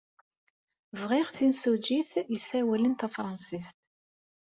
Bɣiɣ timsujjit yessawalen tafṛansit.